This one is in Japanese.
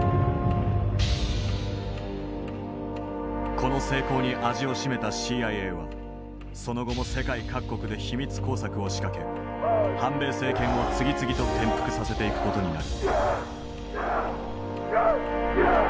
この成功に味を占めたＣＩＡはその後も世界各国で秘密工作を仕掛け反米政権を次々と転覆させていく事になる。